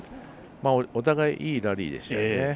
お互い、いいラリーでしたね。